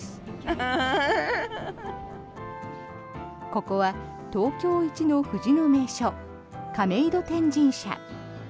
ここは東京一の藤の名所、亀戸天神社。